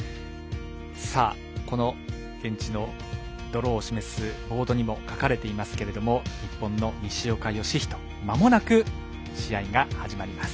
現地のドローを示すボードにも書かれていますけども日本の西岡良仁まもなく試合が始まります。